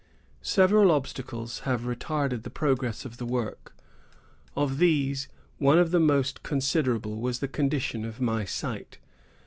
Several obstacles have retarded the progress of the work. Of these, one of the most considerable was the condition of my sight.